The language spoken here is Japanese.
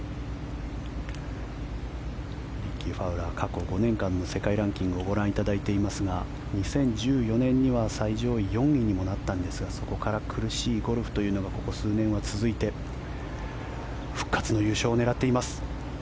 リッキー・ファウラー過去５年間の世界ランキングをご覧いただいていますが２０１４年には最上位、４位にもなったんですがそこから苦しいゴルフというのがここ数年は続いて復活の優勝を狙っています。